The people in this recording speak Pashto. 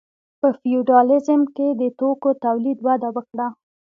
په فیوډالیزم کې د توکو تولید وده وکړه.